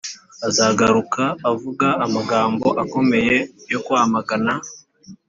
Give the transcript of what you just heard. Azagaruka avuga amagambo akomeye yo kwamagana